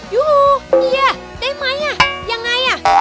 ยูฮูเฮียได้ไหมยังไงอะ